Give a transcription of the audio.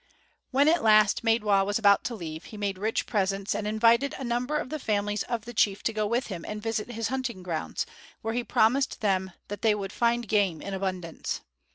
When at last Maidwa was about to leave he made rich presents and invited a number of the families of the chief to go with him and visit his hunting grounds, where he promised them that they would find game in abundance.